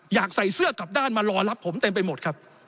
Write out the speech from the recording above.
อยากใส่เสื้อกลับด้านมารอรับผมเต็มไปหมดครับ